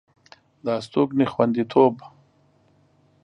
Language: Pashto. د استوګنې خوندیتوب